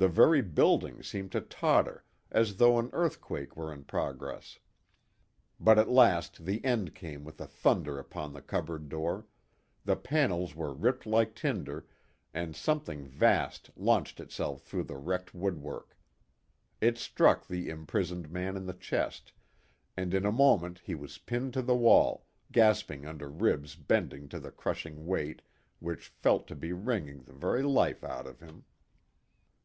The very building seemed to totter as though an earthquake were in progress. But at last the end came with a thunder upon the cupboard door, the panels were ripped like tinder, and something vast launched itself through the wrecked woodwork. It struck the imprisoned man in the chest, and in a moment he was pinned to the wall, gasping under ribs bending to the crushing weight which felt to be wringing the very life out of him.